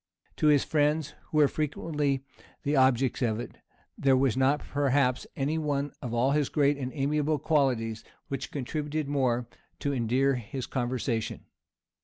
To his friends who were frequently the objects of it, there was not perhaps any one of all his great and amiable qualities which contributed more to endear his conversation.